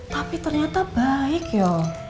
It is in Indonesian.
tapi ternyata baik yo